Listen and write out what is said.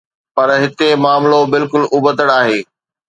پر هتي معاملو بلڪل ابتڙ آهي.